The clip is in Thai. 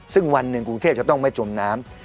ซึ่งวันหนึ่งกรุงเทพจะต้องไม่จมน้ำ